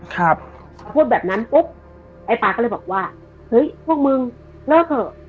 ครับพอพูดแบบนั้นปุ๊บไอ้ปลาก็เลยบอกว่าเฮ้ยพวกมึงเลิกเถอะ